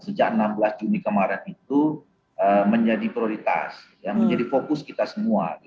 sejak enam belas juni kemarin itu menjadi prioritas menjadi fokus kita semua